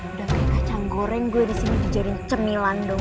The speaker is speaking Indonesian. udah kayak kacang goreng gue disini di jaring cemilan doang